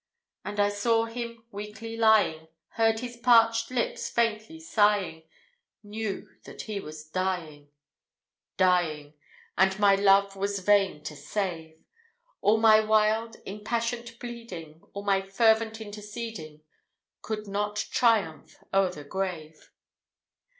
And I saw him weakly lying, Heard his parched lips faintly sighing, Knew that he was dying dying! And my love was vain to save! All my wild, impassioned pleading, All my fervent interceding, Could not triumph o'er the grave.